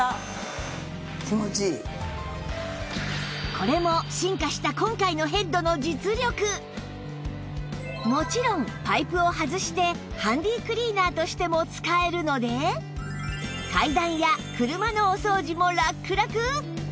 これももちろんパイプを外してハンディークリーナーとしても使えるので階段や車のお掃除もラクラク！